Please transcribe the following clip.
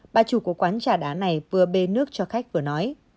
bà chủ của quán trà đá này vừa bê nước cho khách vừa nói